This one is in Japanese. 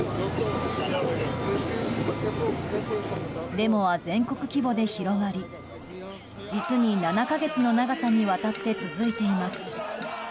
デモは全国規模で広がり実に７か月の長さにわたって続いています。